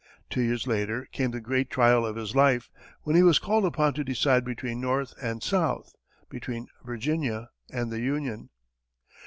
Two years later came the great trial of his life, when he was called upon to decide between North and South, between Virginia and the Union.